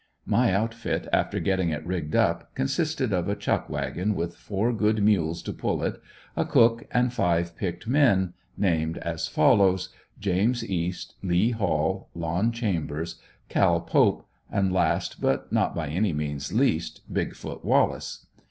My outfit, after getting it rigged up, consisted of a chuck wagon with four good mules to pull it, a cook and five picked men, named as follows: James East, Lee Hall, Lon Chambers, Cal Pope and last but not by any means least "Big foot Wallace."